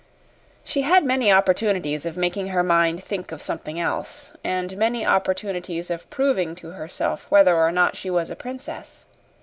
She had many opportunities of making her mind think of something else, and many opportunities of proving to herself whether or not she was a princess.